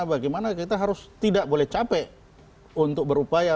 bagaimana kita harus tidak boleh capek untuk berupaya